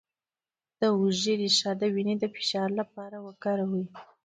د هوږې ریښه د وینې د فشار لپاره وکاروئ